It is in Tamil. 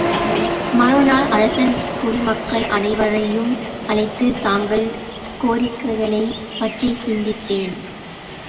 மறுநாள் அரசன் குடிமக்கள் அனைவரையும் அழைத்து, தாங்கள் கோரிக்கைகளைப் பற்றிச் சிந்தித்தேன்.